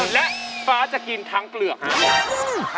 และฟ้าจะกินทั้งเกลือกฮะ